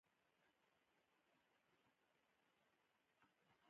ایران پر دې تنګي کنټرول لري.